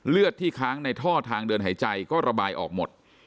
เลือดที่ค้างในท่อทางเดินหายใจก็ระบายออกหมด